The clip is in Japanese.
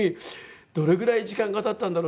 どれぐらい時間が経ったんだろう？